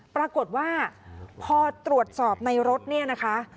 ปรากฏว่าพอตรวจสอบในรถเนี่ยนะคะ